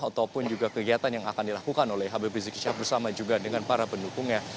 ataupun juga kegiatan yang akan dilakukan oleh habib rizik syihab bersama juga dengan para pendukungnya